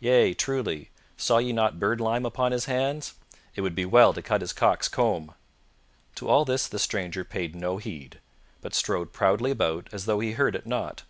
"Yea, truly, saw ye not birdlime upon his hands?" "It would be well to cut his cock's comb!" To all this the stranger paid no heed, but strode proudly about as though he heard it not.